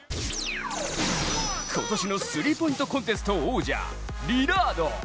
今年のスリーポイントコンテスト王者、リラード。